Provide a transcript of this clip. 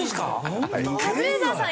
カズレーザーさん